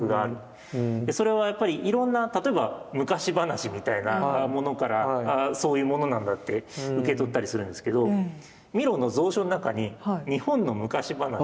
それはやっぱりいろんな例えば昔話みたいなものからそういうものなんだって受け取ったりするんですけどミロの蔵書の中に日本の昔話をカタルーニャ語に訳したものがあるんです。